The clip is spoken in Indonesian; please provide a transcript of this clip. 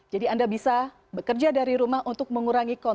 jadi anda bisa bekerja dari rumah untuk mengurangi kontak di rumah